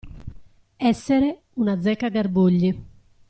Essere un azzeccagarbugli.